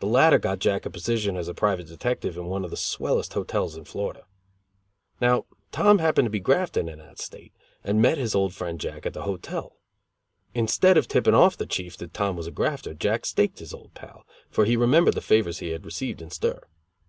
The latter got Jack a position as private detective in one of the swellest hotels in Florida. Now, Tom happened to be grafting in that State, and met his old friend Jack at the hotel. Instead of tipping off the chief that Tom was a grafter, Jack staked his old pal, for he remembered the favors he had received in stir.